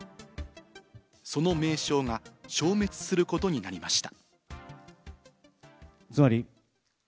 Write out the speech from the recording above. その名称が消滅することになりました。